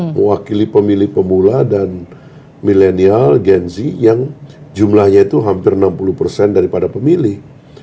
mewakili pemilih pemula dan milenial gen z yang jumlahnya itu hampir enam puluh persen daripada pemilih